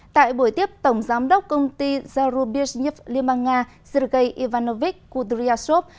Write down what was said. tại buổi tiếp tổng giám đốc công ty zarubizhnev liên bang nga sergei ivanovich kudryashov